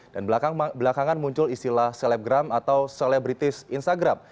dan belakangan muncul istilah celebgram atau celebrities instagram